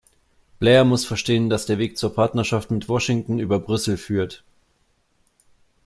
Blair muss verstehen, dass der Weg zur Partnerschaft mit Washington über Brüssel führt.